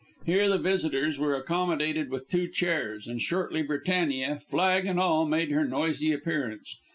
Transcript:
Here the visitors were accommodated with two chairs, and shortly Britannia, flag and all, made her noisy appearance.